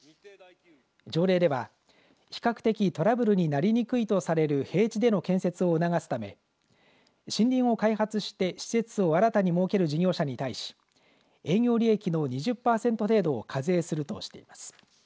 条例では比較的トラブルなりにくいとされる平地での建設を促すため森林を開発して施設を新たに設ける事業者に対し営業利益の２０パーセント程度を課税するとしています。